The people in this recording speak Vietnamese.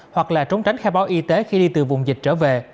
hoặc là trốn tránh khai báo y tế khi đi từ vùng dịch trở về